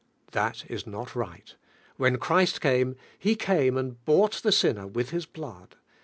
That la not right. When Cliriml came, Ele mine ami bought the sinner with His b!ood.